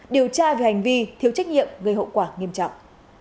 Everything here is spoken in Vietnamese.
điều tra về hành vi thiếu trách nhiệm gây hậu quả nghiêm trọng